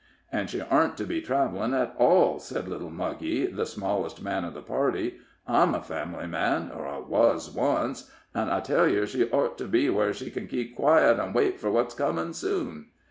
"An' she orten't to be travelin' at all," said little Muggy, the smallest man of the party. "I'm a family man or I wuz once an' I tell yer she ort to be where she ken keep quiet, an' wait for what's comin' soon."